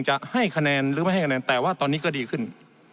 จะให้คะแนนหรือไม่ให้คะแนนแต่ว่าตอนนี้ก็ดีขึ้น